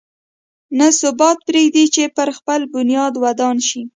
نه ثبات پرېږدي چې پر خپل بنیاد ودان شي.